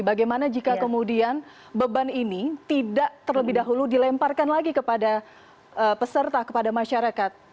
bagaimana jika kemudian beban ini tidak terlebih dahulu dilemparkan lagi kepada peserta kepada masyarakat